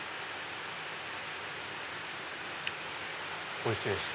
おいしいです。